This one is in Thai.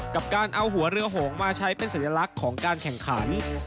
กับการเอาหัวเรือโหงมาใช้เป็นสัญลักษณ์ของการแข่งขัน